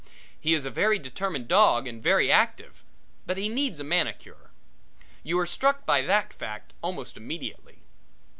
He is a very determined dog and very active, but he needs a manicure. You are struck by that fact almost immediately.